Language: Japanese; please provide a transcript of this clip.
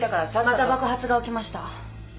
また爆発が起きました。